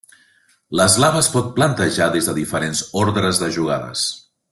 L'eslava es pot plantejar des de diferents ordres de jugades.